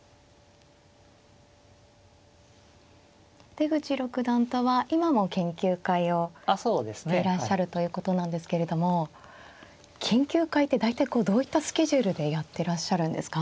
出口六段とは今も研究会をしていらっしゃるということなんですけれども研究会って大体こうどういったスケジュールでやっていらっしゃるんですか。